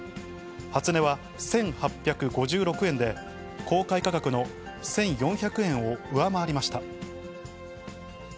初値は１８５６円で、公開価格の１４００円を上回りました。